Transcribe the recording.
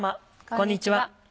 こんにちは。